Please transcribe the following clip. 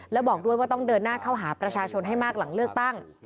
และบอกด้วยว่าต้องเดินหน้าเข้าหาประชาชนให้มากหลังเลือกตั้ง